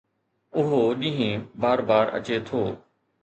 اهو ڏينهن بار بار اچي ٿو